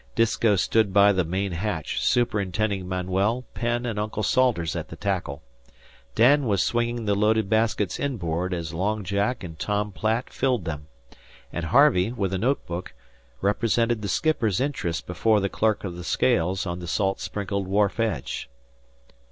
Disko stood by the main hatch superintending Manuel, Penn, and Uncle Salters at the tackle. Dan was swinging the loaded baskets inboard as Long Jack and Tom Platt filled them, and Harvey, with a notebook, represented the skipper's interests before the clerk of the scales on the salt sprinkled wharf edge.